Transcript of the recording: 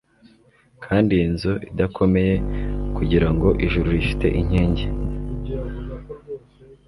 kandi iyi nzu idakomeye kugirango ijuru rifite inkingi